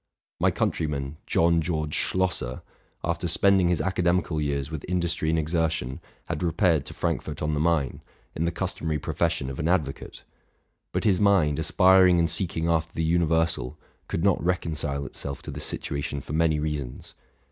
My countryman, John George Schlosser, after spending his academical years with industry and exertion, had repaired to Frankfort on the Main, in the customary profession of an advocate; but his mind, aspiring and seeking after the universal, could not reconcile itself to this situation for many reasons.